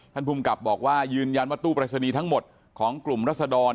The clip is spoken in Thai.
ภูมิกับบอกว่ายืนยันว่าตู้ปรายศนีย์ทั้งหมดของกลุ่มรัศดร